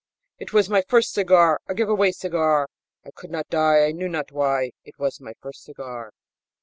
It was my first cigar! A give away cigar! I could not die I knew not why It was my first cigar!